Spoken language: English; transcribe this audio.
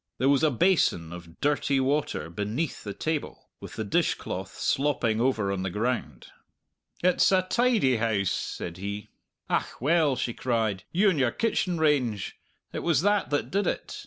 There was a basin of dirty water beneath the table, with the dishcloth slopping over on the ground. "It's a tidy house!" said he. "Ach, well," she cried, "you and your kitchen range! It was that that did it!